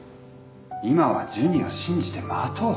今はジュニを信じて待とう。